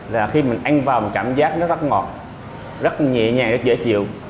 là khi mình ăn vào một cảm giác nó rất ngọt rất nhẹ nhàng rất dễ chịu